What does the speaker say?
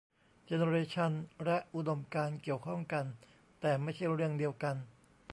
เจเนเรชันและอุดมการณ์เกี่ยวข้องกันแต่ไม่ใช่เรื่องเดียวกัน